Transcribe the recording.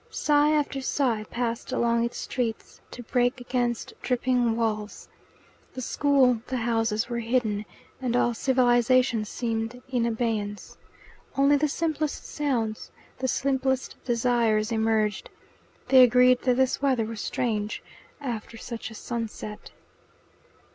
Sigh after sigh passed along its streets to break against dripping walls. The school, the houses were hidden, and all civilization seemed in abeyance. Only the simplest sounds, the simplest desires emerged. They agreed that this weather was strange after such a sunset.